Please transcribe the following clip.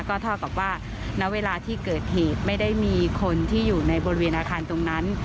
ก็เท่ากับว่าณเวลาที่เกิดเหตุไม่ได้มีคนที่อยู่ในบริเวณอาคารตรงนั้น